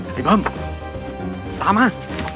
พี่เบิ้มตามมา